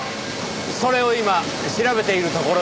それを今調べているところです。